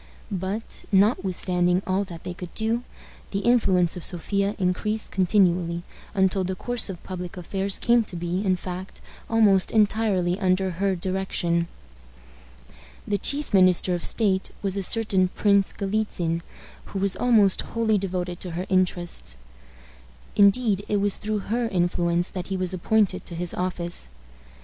But, notwithstanding all that they could do, the influence of Sophia increased continually, until the course of public affairs came to be, in fact, almost entirely under her direction. The chief minister of state was a certain Prince Galitzin, who was almost wholly devoted to her interests. Indeed, it was through her influence that he was appointed to his office.